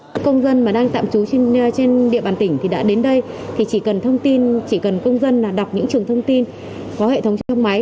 các công dân mà đang tạm trú trên địa bàn tỉnh đã đến đây chỉ cần công dân đọc những trường thông tin có hệ thống trong máy